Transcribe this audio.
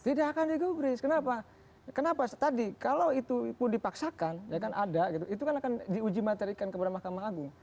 tidak akan digubris kenapa kenapa tadi kalau itu pun dipaksakan ya kan ada gitu itu kan akan diuji materikan kepada mahkamah agung